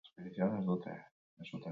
Zer egin sari potoloa egokitzen bazaigu?